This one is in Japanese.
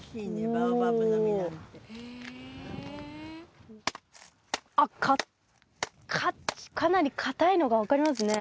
バオバブの実なんてあっかなりかたいのが分かりますね